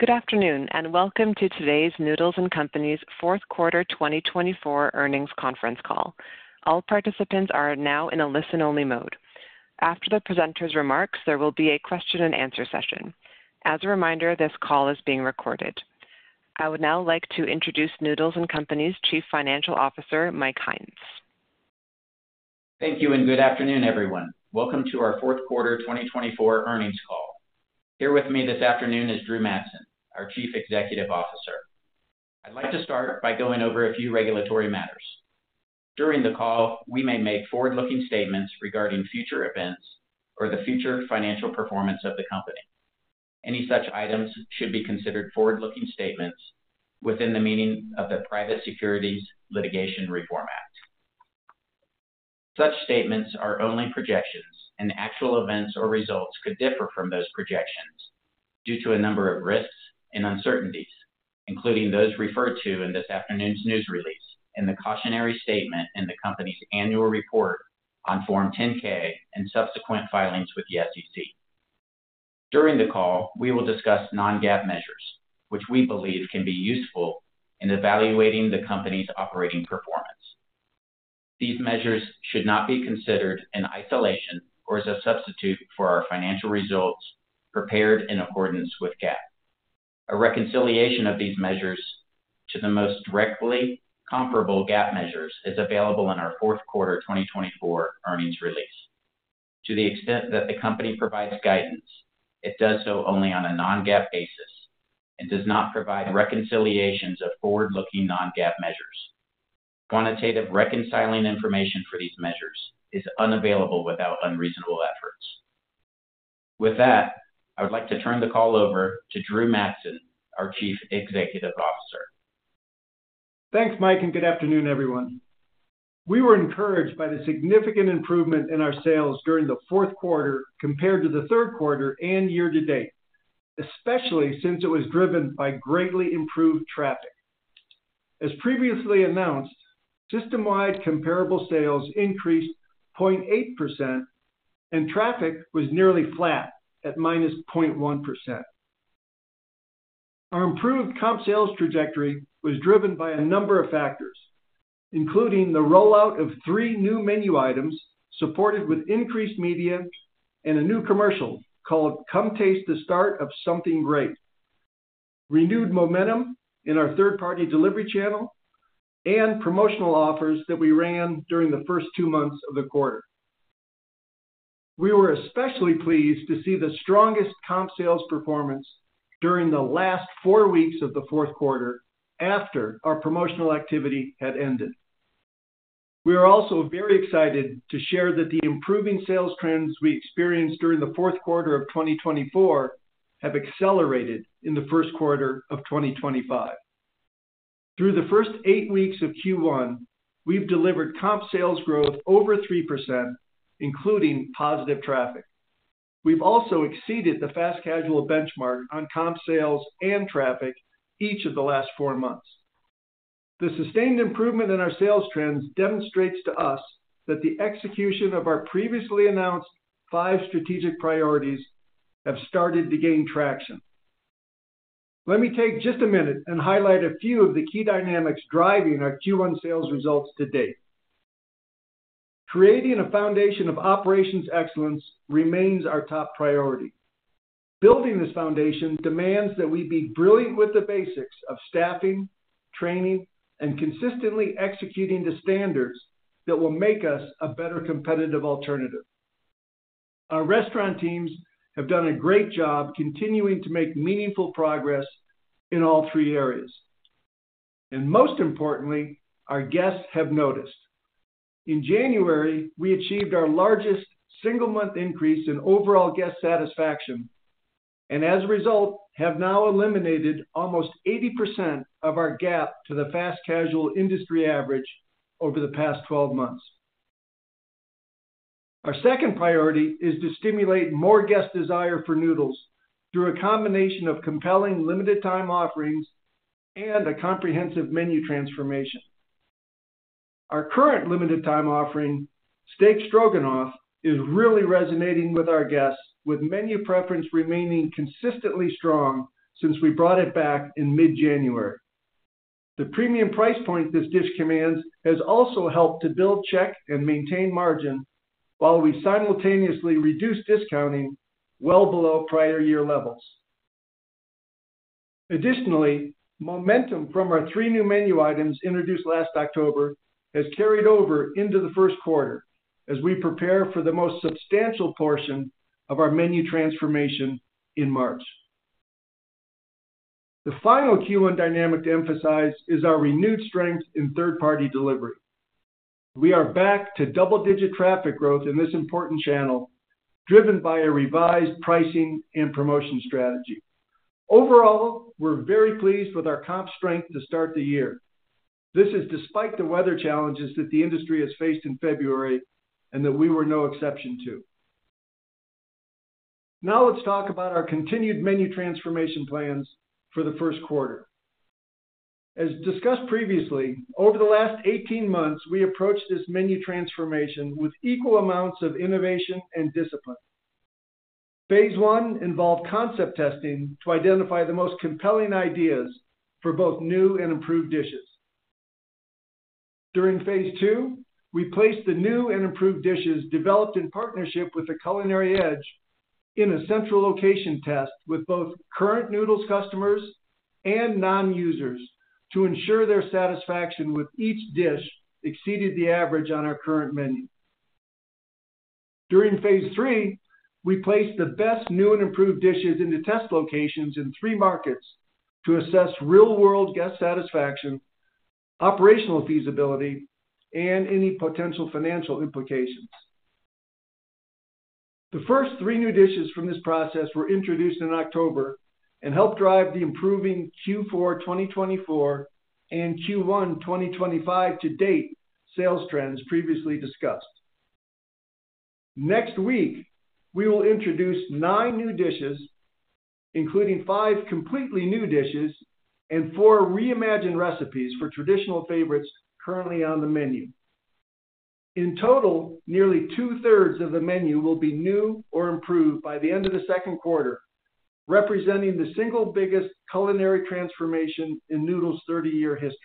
Good afternoon and welcome to today's Noodles & Company's Fourth Quarter 2024 earnings conference call. All participants are now in a listen-only mode. After the presenter's remarks, there will be a question-and-answer session. As a reminder, this call is being recorded. I would now like to introduce Noodles & Company's Chief Financial Officer, Mike Hynes. Thank you and good afternoon, everyone. Welcome to our fourth quarter 2024 earnings call. Here with me this afternoon is Drew Madsen, our Chief Executive Officer. I'd like to start by going over a few regulatory matters. During the call, we may make forward-looking statements regarding future events or the future financial performance of the company. Any such items should be considered forward-looking statements within the meaning of the Private Securities Litigation Reform Act. Such statements are only projections, and actual events or results could differ from those projections due to a number of risks and uncertainties, including those referred to in this afternoon's news release and the cautionary statement in the company's annual report on Form 10-K and subsequent filings with the SEC. During the call, we will discuss non-GAAP measures, which we believe can be useful in evaluating the company's operating performance. These measures should not be considered in isolation or as a substitute for our financial results prepared in accordance with GAAP. A reconciliation of these measures to the most directly comparable GAAP measures is available in our Fourth Quarter 2024 earnings release. To the extent that the company provides guidance, it does so only on a non-GAAP basis and does not provide reconciliations of forward-looking non-GAAP measures. Quantitative reconciling information for these measures is unavailable without unreasonable efforts. With that, I would like to turn the call over to Drew Madsen, our Chief Executive Officer. Thanks, Mike, and good afternoon, everyone. We were encouraged by the significant improvement in our sales during the fourth quarter compared to the third quarter and year to date, especially since it was driven by greatly improved traffic. As previously announced, system-wide comparable sales increased 0.8%, and traffic was nearly flat at -0.1%. Our improved comp sales trajectory was driven by a number of factors, including the rollout of three new menu items supported with increased media and a new commercial called "Come Taste the Start of Something Great," renewed momentum in our third-party delivery channel, and promotional offers that we ran during the first two months of the quarter. We were especially pleased to see the strongest comp sales performance during the last four weeks of the fourth quarter after our promotional activity had ended. We are also very excited to share that the improving sales trends we experienced during the fourth quarter of 2024 have accelerated in the first quarter of 2025. Through the first eight weeks of Q1, we've delivered comp sales growth over 3%, including positive traffic. We've also exceeded the fast casual benchmark on comp sales and traffic each of the last four months. The sustained improvement in our sales trends demonstrates to us that the execution of our previously announced five strategic priorities has started to gain traction. Let me take just a minute and highlight a few of the key dynamics driving our Q1 sales results to date. Creating a foundation of operations excellence remains our top priority. Building this foundation demands that we be brilliant with the basics of staffing, training, and consistently executing the standards that will make us a better competitive alternative. Our restaurant teams have done a great job continuing to make meaningful progress in all three areas. Most importantly, our guests have noticed. In January, we achieved our largest single-month increase in overall guest satisfaction and, as a result, have now eliminated almost 80% of our gap to the fast casual industry average over the past 12 months. Our second priority is to stimulate more guest desire for noodles through a combination of compelling limited-time offerings and a comprehensive menu transformation. Our current limited-time offering, Steak Stroganoff, is really resonating with our guests, with menu preference remaining consistently strong since we brought it back in mid-January. The premium price point this dish commands has also helped to build check and maintain margin while we simultaneously reduce discounting well below prior year levels. Additionally, momentum from our three new menu items introduced last October has carried over into the first quarter as we prepare for the most substantial portion of our menu transformation in March. The final Q1 dynamic to emphasize is our renewed strength in third-party delivery. We are back to double-digit traffic growth in this important channel, driven by a revised pricing and promotion strategy. Overall, we're very pleased with our comp strength to start the year. This is despite the weather challenges that the industry has faced in February and that we were no exception to. Now let's talk about our continued menu transformation plans for the first quarter. As discussed previously, over the last 18 months, we approached this menu transformation with equal amounts of innovation and discipline. Phase one involved concept testing to identify the most compelling ideas for both new and improved dishes. During phase two, we placed the new and improved dishes developed in partnership with The Culinary Edge in a central location test with both current Noodles & Company customers and non-users to ensure their satisfaction with each dish exceeded the average on our current menu. During phase three, we placed the best new and improved dishes into test locations in three markets to assess real-world guest satisfaction, operational feasibility, and any potential financial implications. The first three new dishes from this process were introduced in October and helped drive the improving Q4 2024 and Q1 2025 to date sales trends previously discussed. Next week, we will introduce nine new dishes, including five completely new dishes and four reimagined recipes for traditional favorites currently on the menu. In total, nearly two-thirds of the menu will be new or improved by the end of the second quarter, representing the single biggest culinary transformation in Noodles 30-year history.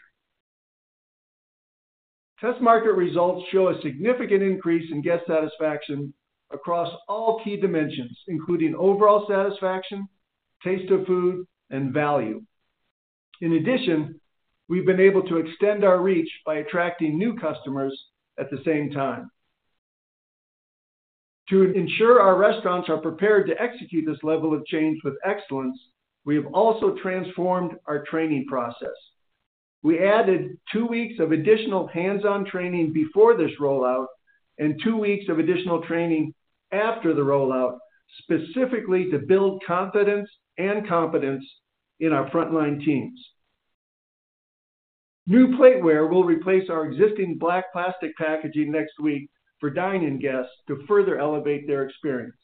Test market results show a significant increase in guest satisfaction across all key dimensions, including overall satisfaction, taste of food, and value. In addition, we've been able to extend our reach by attracting new customers at the same time. To ensure our restaurants are prepared to execute this level of change with excellence, we have also transformed our training process. We added two weeks of additional hands-on training before this rollout and two weeks of additional training after the rollout, specifically to build confidence and competence in our frontline teams. New plateware will replace our existing black plastic packaging next week for dine-in guests to further elevate their experience.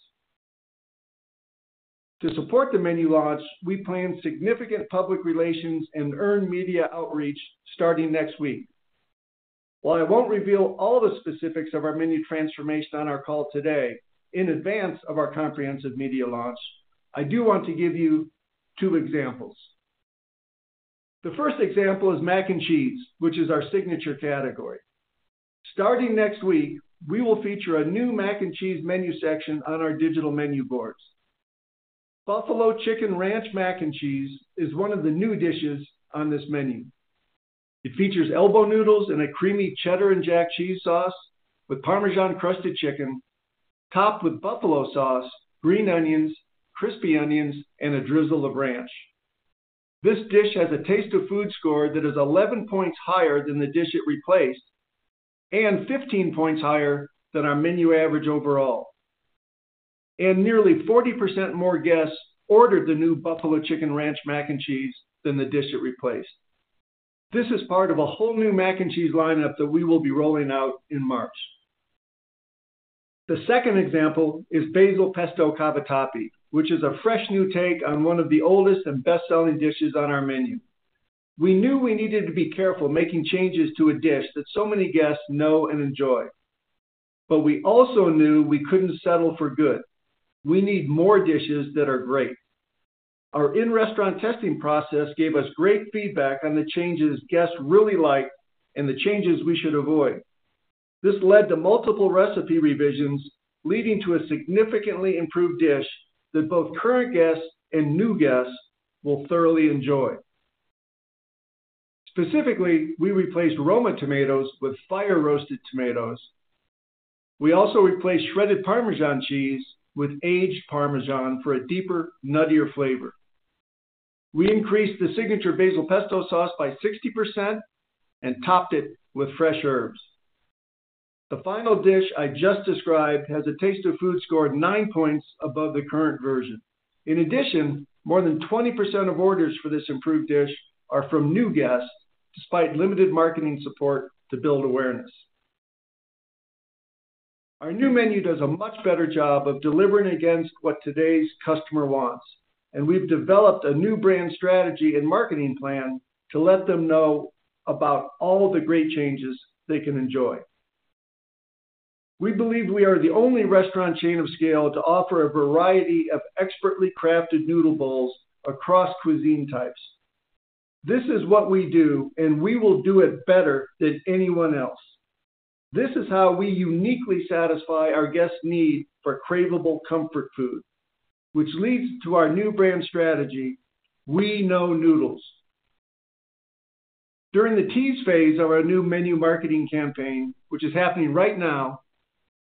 To support the menu launch, we plan significant public relations and earned media outreach starting next week. While I won't reveal all the specifics of our menu transformation on our call today in advance of our comprehensive media launch, I do want to give you two examples. The first example is mac and cheese, which is our signature category. Starting next week, we will feature a new mac and cheese menu section on our digital menu boards. Buffalo Chicken Ranch Mac and Cheese is one of the new dishes on this menu. It features elbow noodles in a creamy cheddar and jack cheese sauce with parmesan crusted chicken, topped with buffalo sauce, green onions, crispy onions, and a drizzle of ranch. This dish has a taste of food score that is 11 points higher than the dish it replaced and 15 points higher than our menu average overall. Nearly 40% more guests ordered the new Buffalo Chicken Ranch Mac and Cheese than the dish it replaced. This is part of a whole new mac and cheese lineup that we will be rolling out in March. The second example is Basil Pesto Cavatappi, which is a fresh new take on one of the oldest and best-selling dishes on our menu. We knew we needed to be careful making changes to a dish that so many guests know and enjoy. We also knew we couldn't settle for good. We need more dishes that are great. Our in-restaurant testing process gave us great feedback on the changes guests really like and the changes we should avoid. This led to multiple recipe revisions, leading to a significantly improved dish that both current guests and new guests will thoroughly enjoy. Specifically, we replaced Roma tomatoes with fire-roasted tomatoes. We also replaced shredded parmesan cheese with aged parmesan for a deeper, nuttier flavor. We increased the signature basil pesto sauce by 60% and topped it with fresh herbs. The final dish I just described has a taste of food score nine points above the current version. In addition, more than 20% of orders for this improved dish are from new guests, despite limited marketing support to build awareness. Our new menu does a much better job of delivering against what today's customer wants, and we've developed a new brand strategy and marketing plan to let them know about all the great changes they can enjoy. We believe we are the only restaurant chain of scale to offer a variety of expertly crafted noodle bowls across cuisine types. This is what we do, and we will do it better than anyone else. This is how we uniquely satisfy our guests' need for craveable comfort food, which leads to our new brand strategy, We Know Noodles. During the tease phase of our new menu marketing campaign, which is happening right now,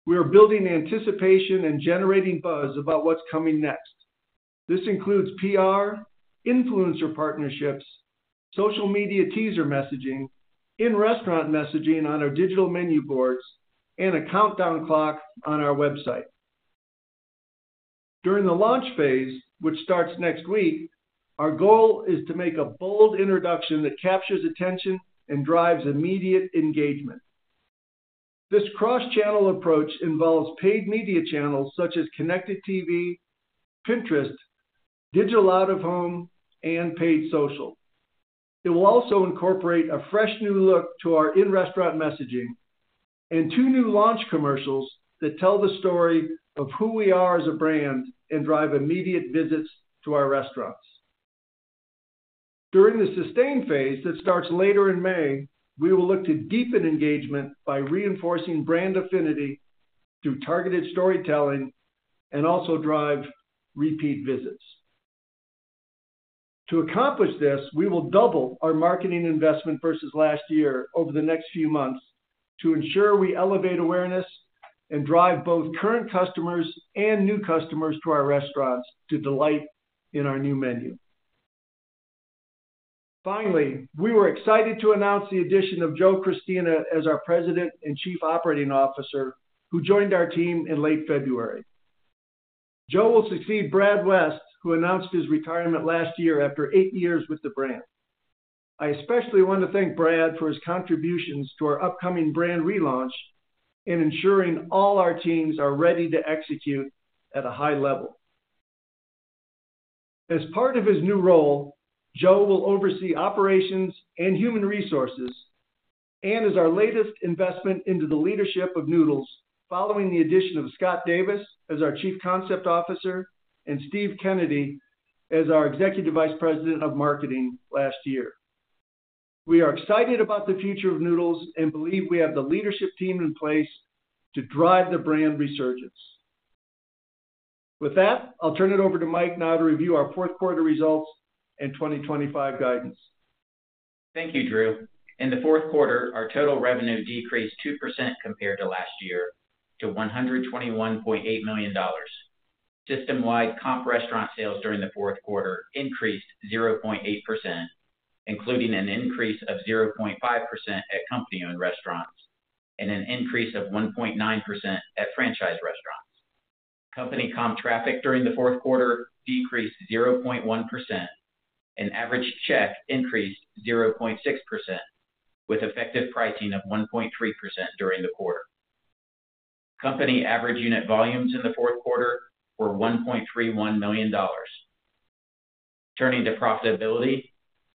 we are building anticipation and generating buzz about what's coming next. This includes PR, influencer partnerships, social media teaser messaging, in-restaurant messaging on our digital menu boards, and a countdown clock on our website. During the launch phase, which starts next week, our goal is to make a bold introduction that captures attention and drives immediate engagement. This cross-channel approach involves paid media channels such as Connected TV, Pinterest, Digital Out of Home, and Paid Social. It will also incorporate a fresh new look to our in-restaurant messaging and two new launch commercials that tell the story of who we are as a brand and drive immediate visits to our restaurants. During the sustain phase that starts later in May, we will look to deepen engagement by reinforcing brand affinity through targeted storytelling and also drive repeat visits. To accomplish this, we will double our marketing investment versus last year over the next few months to ensure we elevate awareness and drive both current customers and new customers to our restaurants to delight in our new menu. Finally, we were excited to announce the addition of Joe Christina as our President and Chief Operating Officer, who joined our team in late February. Joe will succeed Brad West, who announced his retirement last year after eight years with the brand. I especially want to thank Brad for his contributions to our upcoming brand relaunch and ensuring all our teams are ready to execute at a high level. As part of his new role, Joe will oversee operations and human resources and is our latest investment into the leadership of Noodles following the addition of Scott Davis as our Chief Concept Officer and Steve Kennedy as our Executive Vice President of Marketing last year. We are excited about the future of Noodles & Company and believe we have the leadership team in place to drive the brand resurgence. With that, I'll turn it over to Mike now to review our fourth quarter results and 2025 guidance. Thank you, Drew. In the fourth quarter, our total revenue decreased 2% compared to last year to $121.8 million. System-wide comp restaurant sales during the fourth quarter increased 0.8%, including an increase of 0.5% at company-owned restaurants and an increase of 1.9% at franchise restaurants. Company comp traffic during the fourth quarter decreased 0.1%, and average check increased 0.6%, with effective pricing of 1.3% during the quarter. Company average unit volumes in the fourth quarter were $1.31 million. Turning to profitability,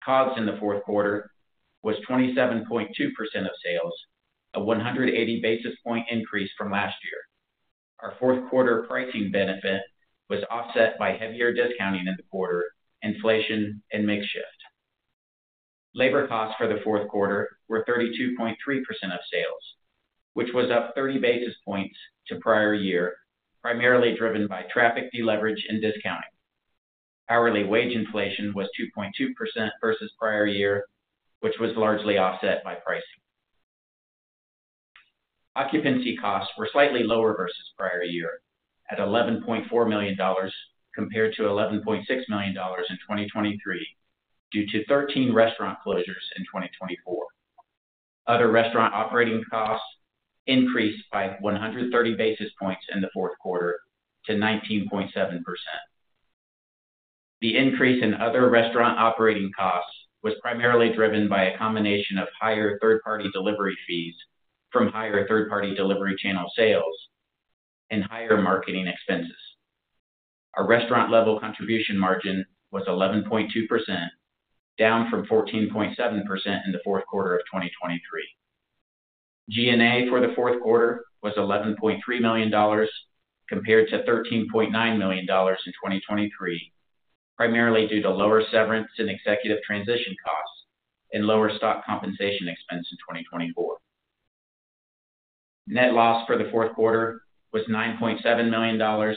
COGS in the fourth quarter was 27.2% of sales, a 180 basis point increase from last year. Our fourth quarter pricing benefit was offset by heavier discounting in the quarter, inflation, and makeshift. Labor costs for the fourth quarter were 32.3% of sales, which was up 30 basis points to prior year, primarily driven by traffic deleverage and discounting. Hourly wage inflation was 2.2% versus prior year, which was largely offset by pricing. Occupancy costs were slightly lower versus prior year at $11.4 million compared to $11.6 million in 2023 due to 13 restaurant closures in 2024. Other restaurant operating costs increased by 130 basis points in the fourth quarter to 19.7%. The increase in other restaurant operating costs was primarily driven by a combination of higher third-party delivery fees from higher third-party delivery channel sales and higher marketing expenses. Our restaurant-level contribution margin was 11.2%, down from 14.7% in the fourth quarter of 2023. G&A for the fourth quarter was $11.3 million compared to $13.9 million in 2023, primarily due to lower severance and executive transition costs and lower stock compensation expense in 2024. Net loss for the fourth quarter was $9.7 million,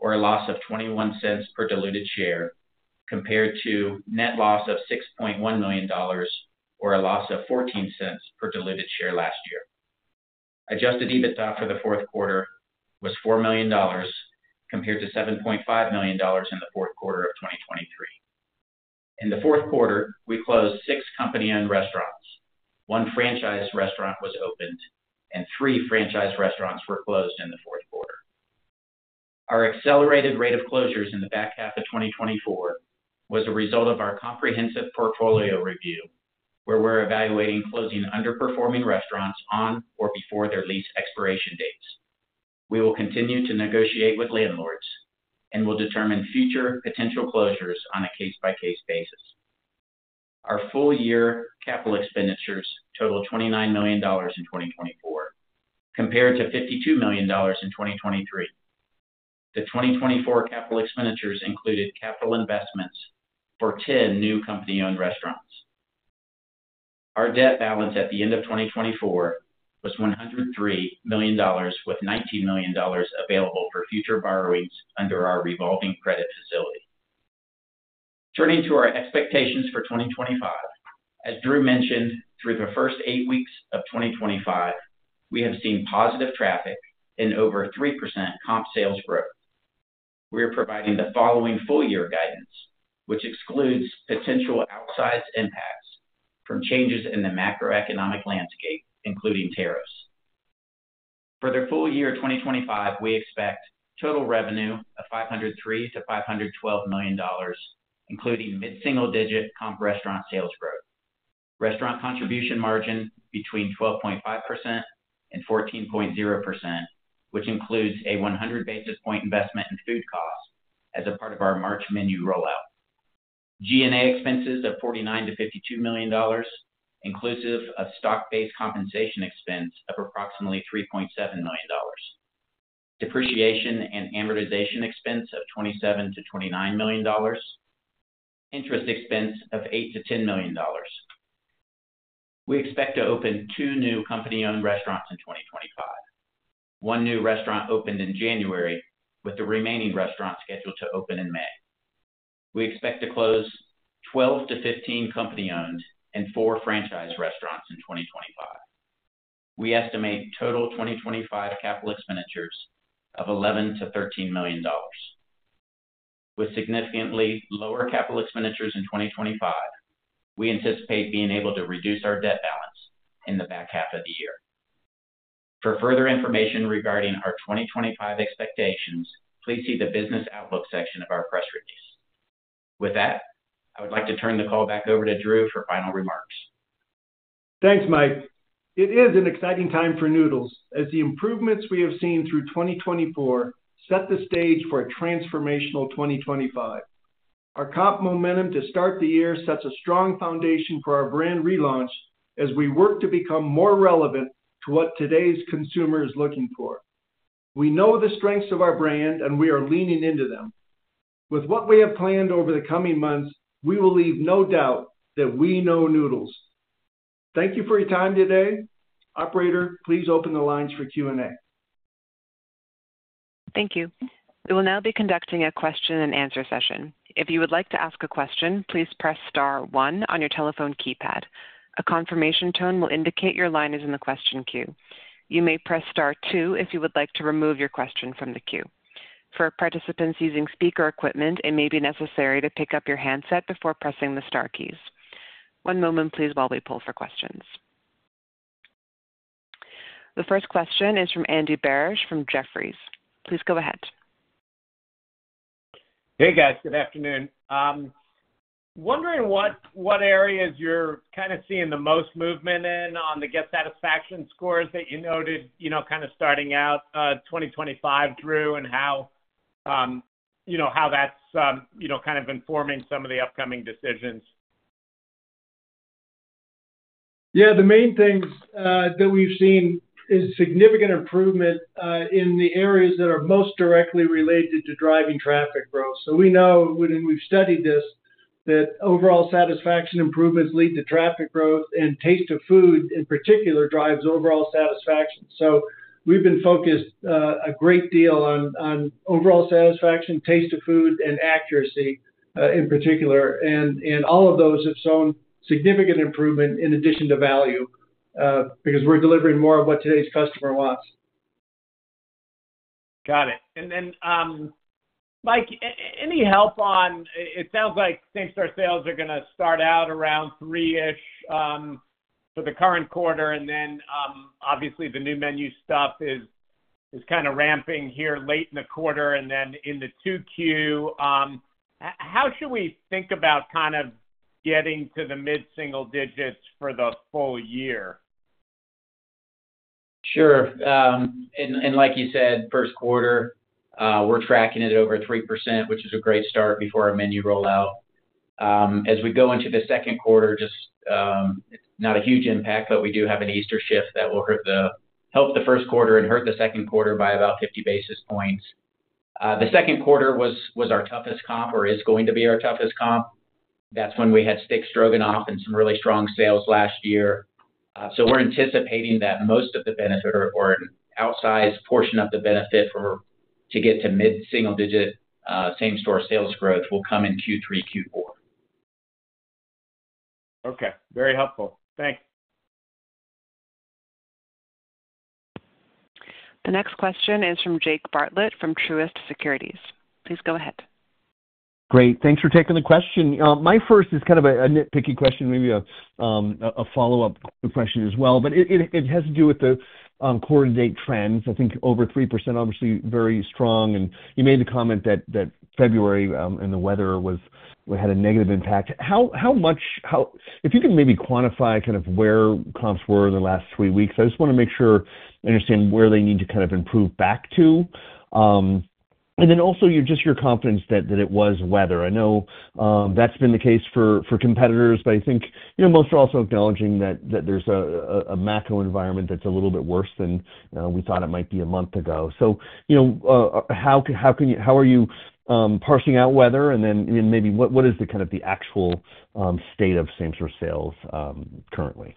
or a loss of $0.21 per diluted share, compared to net loss of $6.1 million, or a loss of $0.14 per diluted share last year. Adjusted EBITDA for the fourth quarter was $4 million compared to $7.5 million in the fourth quarter of 2023. In the fourth quarter, we closed six company-owned restaurants. One franchise restaurant was opened, and three franchise restaurants were closed in the fourth quarter. Our accelerated rate of closures in the back half of 2024 was a result of our comprehensive portfolio review, where we're evaluating closing underperforming restaurants on or before their lease expiration dates. We will continue to negotiate with landlords and will determine future potential closures on a case-by-case basis. Our full-year capital expenditures totaled $29 million in 2024, compared to $52 million in 2023. The 2024 capital expenditures included capital investments for 10 new company-owned restaurants. Our debt balance at the end of 2024 was $103 million, with $19 million available for future borrowings under our revolving credit facility. Turning to our expectations for 2025, as Drew mentioned, through the first eight weeks of 2025, we have seen positive traffic and over 3% comp sales growth. We are providing the following full-year guidance, which excludes potential outsized impacts from changes in the macroeconomic landscape, including tariffs. For the full year 2025, we expect total revenue of $503-$512 million, including mid-single-digit comp restaurant sales growth. Restaurant contribution margin between 12.5%-14.0%, which includes a 100 basis point investment in food costs as a part of our March menu rollout. G&A expenses of $49-$52 million, inclusive of stock-based compensation expense of approximately $3.7 million. Depreciation and amortization expense of $27-$29 million. Interest expense of $8-$10 million. We expect to open two new company-owned restaurants in 2025. One new restaurant opened in January, with the remaining restaurants scheduled to open in May. We expect to close 12-15 company-owned and four franchise restaurants in 2025. We estimate total 2025 capital expenditures of $11-$13 million. With significantly lower capital expenditures in 2025, we anticipate being able to reduce our debt balance in the back half of the year. For further information regarding our 2025 expectations, please see the business outlook section of our press release. With that, I would like to turn the call back over to Drew for final remarks. Thanks, Mike. It is an exciting time for Noodles & Company, as the improvements we have seen through 2024 set the stage for a transformational 2025. Our comp momentum to start the year sets a strong foundation for our brand relaunch as we work to become more relevant to what today's consumer is looking for. We know the strengths of our brand, and we are leaning into them. With what we have planned over the coming months, we will leave no doubt that We Know Noodles. Thank you for your time today. Operator, please open the lines for Q&A. Thank you. We will now be conducting a question-and-answer session. If you would like to ask a question, please press Star 1 on your telephone keypad. A confirmation tone will indicate your line is in the question queue. You may press Star 2 if you would like to remove your question from the queue. For participants using speaker equipment, it may be necessary to pick up your handset before pressing the Star keys. One moment, please, while we pull for questions. The first question is from Andy Barish from Jefferies. Please go ahead. Hey, guys. Good afternoon. Wondering what areas you're kind of seeing the most movement in on the guest satisfaction scores that you noted kind of starting out 2025, Drew, and how that's kind of informing some of the upcoming decisions. Yeah, the main things that we've seen is significant improvement in the areas that are most directly related to driving traffic growth. We know, and we've studied this, that overall satisfaction improvements lead to traffic growth, and taste of food, in particular, drives overall satisfaction. We've been focused a great deal on overall satisfaction, taste of food, and accuracy, in particular. All of those have shown significant improvement in addition to value because we're delivering more of what today's customer wants. Got it. Mike, any help on it sounds like thanks to our sales, they're going to start out around three-ish for the current quarter, and obviously the new menu stuff is kind of ramping here late in the quarter and then in the 2Q. How should we think about kind of getting to the mid-single digits for the full year? Sure. Like you said, first quarter, we're tracking it over 3%, which is a great start before our menu rollout. As we go into the second quarter, just not a huge impact, but we do have an easter shift that will help the first quarter and hurt the second quarter by about 50 basis points. The second quarter was our toughest comp or is going to be our toughest comp. That's when we had Steak Stroganoff and some really strong sales last year. We are anticipating that most of the benefit or an outsized portion of the benefit to get to mid-single digit same-store sales growth will come in Q3, Q4. Okay. Very helpful. Thanks. The next question is from Jake Bartlett from Truist Securities. Please go ahead. Great. Thanks for taking the question. My first is kind of a nitpicky question, maybe a follow-up question as well, but it has to do with the quarter-to-date trends. I think over 3%, obviously very strong. You made the comment that February and the weather had a negative impact. If you can maybe quantify kind of where comps were in the last three weeks, I just want to make sure I understand where they need to kind of improve back to. Also, just your confidence that it was weather. I know that's been the case for competitors, but I think most are also acknowledging that there's a macro environment that's a little bit worse than we thought it might be a month ago. How are you parsing out weather? What is kind of the actual state of same-store sales currently?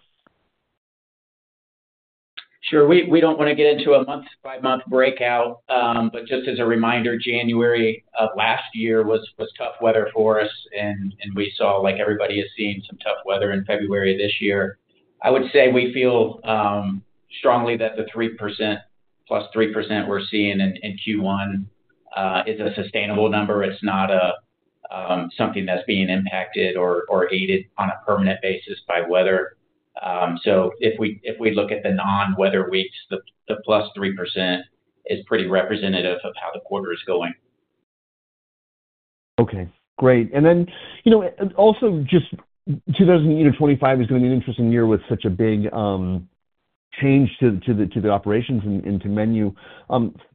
Sure. We do not want to get into a month-by-month breakout, but just as a reminder, January of last year was tough weather for us, and we saw like everybody is seeing some tough weather in February this year. I would say we feel strongly that the 3% plus 3% we are seeing in Q1 is a sustainable number. It is not something that is being impacted or aided on a permanent basis by weather. If we look at the non-weather weeks, the plus 3% is pretty representative of how the quarter is going. Okay. Great. Also, just 2025 is going to be an interesting year with such a big change to the operations and to menu.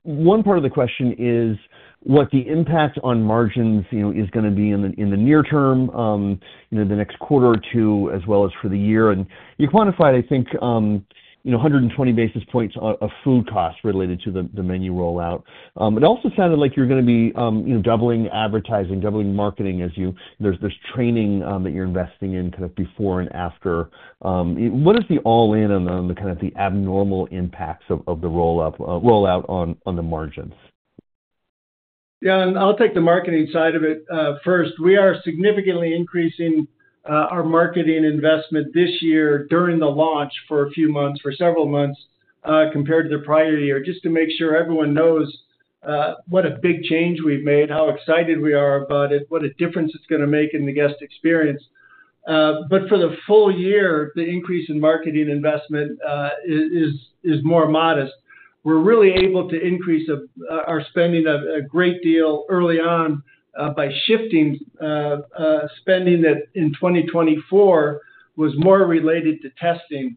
One part of the question is what the impact on margins is going to be in the near term, the next quarter or two, as well as for the year. You quantified, I think, 120 basis points of food costs related to the menu rollout. It also sounded like you're going to be doubling advertising, doubling marketing as there's training that you're investing in kind of before and after. What is the all-in on kind of the abnormal impacts of the rollout on the margins? Yeah. I'll take the marketing side of it first. We are significantly increasing our marketing investment this year during the launch for a few months, for several months, compared to the prior year, just to make sure everyone knows what a big change we've made, how excited we are about it, what a difference it's going to make in the guest experience. For the full year, the increase in marketing investment is more modest. We're really able to increase our spending a great deal early on by shifting spending that in 2024 was more related to testing,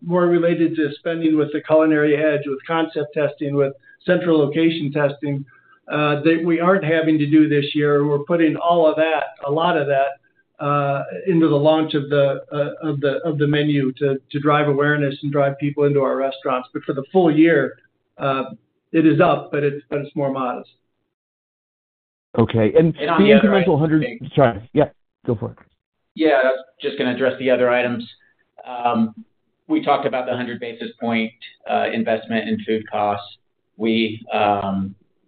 more related to spending with The Culinary Edge, with concept testing, with central location testing that we aren't having to do this year. We're putting all of that, a lot of that, into the launch of the menu to drive awareness and drive people into our restaurants. For the full year, it is up, but it's more modest. Okay. The incremental 100—sorry. Yeah. Go for it. Yeah. I was just going to address the other items. We talked about the 100 basis point investment in food costs. We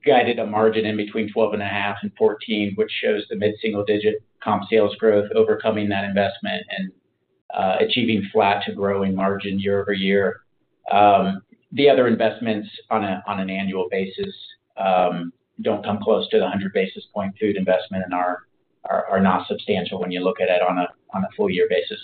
guided a margin in between 12.5% and 14%, which shows the mid-single digit comp sales growth overcoming that investment and achieving flat to growing margin year over year. The other investments on an annual basis do not come close to the 100 basis point food investment and are not substantial when you look at it on a full-year basis.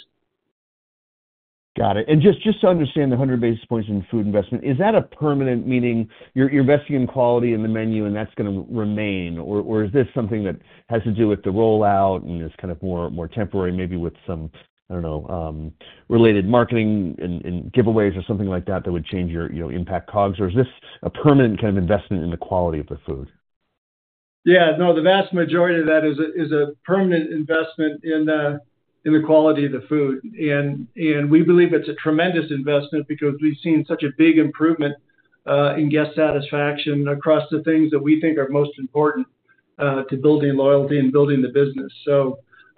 Got it. Just to understand the 100 basis points in food investment, is that a permanent, meaning you are investing in quality in the menu and that is going to remain, or is this something that has to do with the rollout and is kind of more temporary, maybe with some, I do not know, related marketing and giveaways or something like that that would change your impact COGS? Or is this a permanent kind of investment in the quality of the food? Yeah. No, the vast majority of that is a permanent investment in the quality of the food. We believe it's a tremendous investment because we've seen such a big improvement in guest satisfaction across the things that we think are most important to building loyalty and building the business.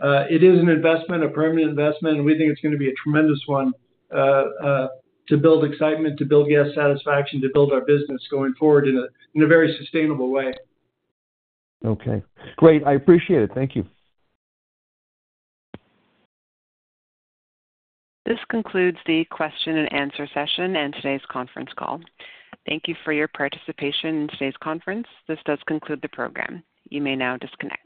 It is an investment, a permanent investment, and we think it's going to be a tremendous one to build excitement, to build guest satisfaction, to build our business going forward in a very sustainable way. Okay. Great. I appreciate it. Thank you. This concludes the question-and-answer session and today's conference call. Thank you for your participation in today's conference. This does conclude the program. You may now disconnect.